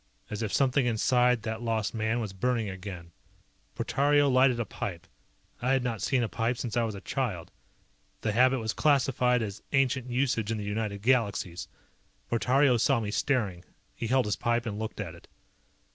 As if something inside that lost man was burning again. Portario lighted a pipe. I had not seen a pipe since I was a child. The habit was classified as ancient usage in the United Galaxies. Portario saw me staring. He held his pipe and looked at it.